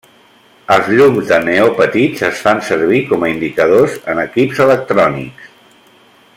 Els llums de neó petits es fan servir com a indicadors en equips electrònics.